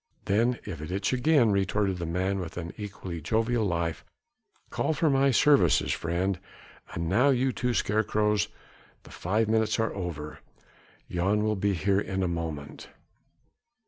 "Then if it itch again," retorted the man with an equally jovial laugh, "call for my services, friend. And now, you two scarecrows! the five minutes are over. Jan will be here in a moment."